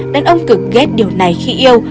đàn ông cực ghét điều này khi yêu